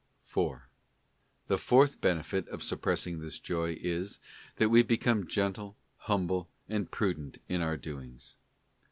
f 4. The fourth benefit of suppressing this Joy is, that we become gentle, humble, and prudent in our doings.